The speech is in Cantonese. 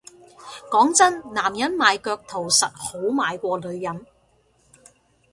講真男人賣腳圖實好賣過女人